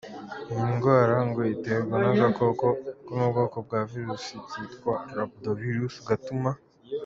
Iyi ndwara ngo iterwa n’agakoko ko mu bwoko bwa Virus kitwa “Rhabdovirus” gatuma .